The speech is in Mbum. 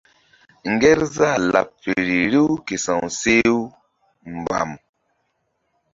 Ŋgerzah laɓ feri riw ke sa̧w she u mbam.